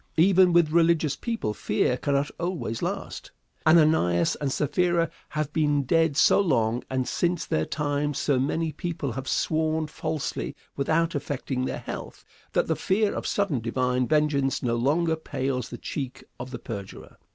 Even with religious people fear cannot always last. Ananias and Sapphira have been dead so long, and since their time so many people have sworn falsely without affecting their health that the fear of sudden divine vengeance no longer pales the cheek of the perjurer.